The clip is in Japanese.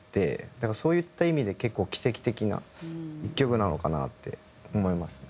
だからそういった意味で結構奇跡的な１曲なのかなって思いますね。